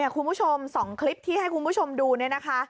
คุณผู้ชม๒คลิปที่ให้คุณผู้ชมดูเนี่ยนะคะ